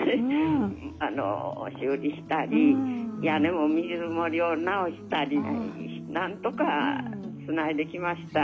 あの修理したり屋根も水漏れを直したりなんとかつないできました。